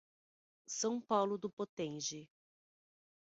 São Paulo do Potengi